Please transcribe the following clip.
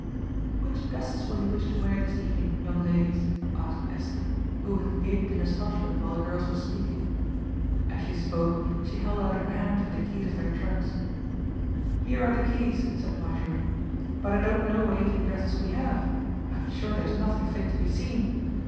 "Which dresses will you wish to wear this evening, young ladies?" asked Esther, who had gaped in astonishment while the girls were speaking. As she spoke she held out her hand for the keys of their trunks. "Here are the keys," said Marjorie; "but I don't know what evening dresses we have. I am sure there is nothing fit to be seen.